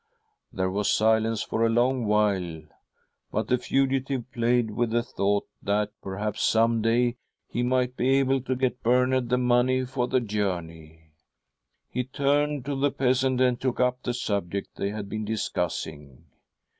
. "There was silence for a long while, but the fugitive played with the thought that, perhaps, M i6o THY SOUL SHALL BEAR WITNESS! ■—?<.■..■■■.^ some day 'he might be able to get Bernard the money for the journey. " He turned to the peasant and took up the subject they had been discussing.